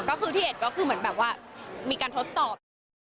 ก็คือที่เอ็ดก็คือเหมือนแบบว่ามีการทดสอบ